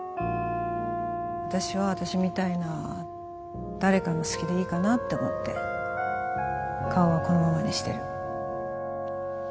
私は私みたいな誰かの好きでいいかなって思って顔はこのままにしてる。